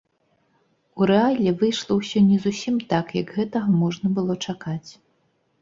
У рэале выйшла ўсё не зусім так, як гэтага можна было чакаць.